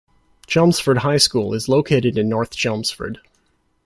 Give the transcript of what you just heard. Chelmsford High School is located in North Chelmsford.